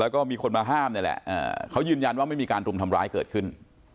แล้วก็มีคนมาห้ามนี่แหละเขายืนยันว่าไม่มีการรุมทำร้ายเกิดขึ้น